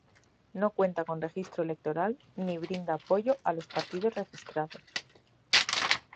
No cuenta con registro electoral ni brinda apoyo a los partidos registrados.